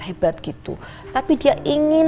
hebat gitu tapi dia ingin